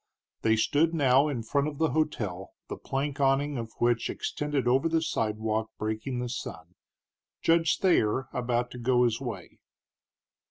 They stood now in front of the hotel, the plank awning of which extended over the sidewalk breaking the sun, Judge Thayer about to go his way.